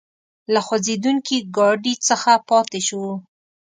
له خوځېدونکي ګاډي څخه پاتې شوو.